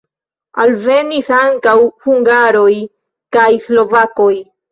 Alvenis ankaŭ hungaroj kaj slovakoj.